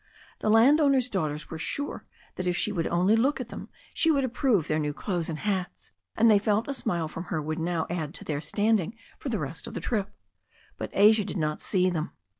The landowner's daughters were sure that if she would only look at them she would approve their new clothes and hats, and they felt a smile from her would now add to their standing for the rest of the trip. But Asia did not see them.